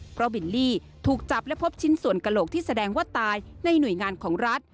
เพราะบิลลี่ถูกจับและพบชิ้นส่วนกระโหลกที่แสดงว่าตายในหน่วยงานของรัฐ